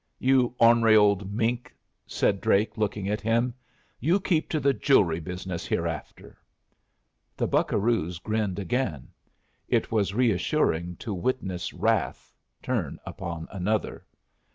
"You ornery old mink!" said Drake, looking at him. "You keep to the jewelry business hereafter." The buccaroos grinned again. It was reassuring to witness wrath turn upon another.